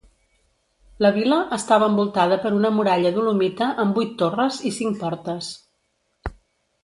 La vila estava envoltada per una muralla dolomita amb vuit torres i cinc portes.